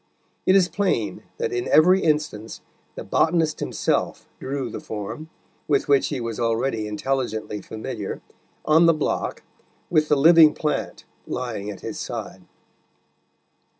It is plain that in every instance the botanist himself drew the form, with which he was already intelligently familiar, on the block, with the living plant lying at his side.